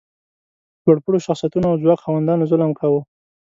لوړ پوړو شخصیتونو او ځواک خاوندانو ظلم کاوه.